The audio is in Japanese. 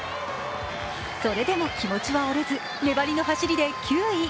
それでも気持ちは折れず、粘りの走りで９位。